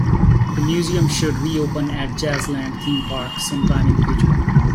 The museum should reopen at Jazzland Theme Park some time in the future.